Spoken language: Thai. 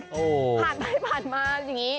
ผ่านไปผ่านมาอย่างนี้